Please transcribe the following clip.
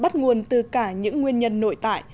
bắt nguồn từ cả những nguyên nhân nội tại